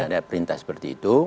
ada perintah seperti itu